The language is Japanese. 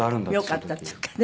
よかったっていうかね。